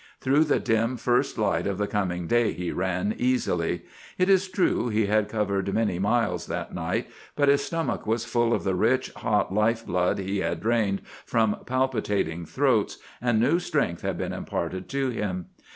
Through the dim first light of the coming day he ran, easily. It is true he had covered many miles that night, but his stomach was full of the rich, hot life blood he had drained from palpitating throats, and new strength had been imparted to him.